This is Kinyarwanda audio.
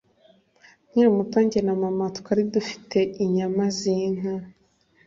nkiri muto, njye na mama twari dufite inyama z'inka